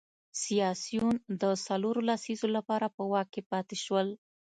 سیاسیون د څلورو لسیزو لپاره په واک کې پاتې شول.